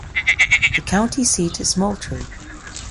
The county seat is Moultrie.